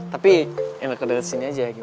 tapi enggak kedenger sini aja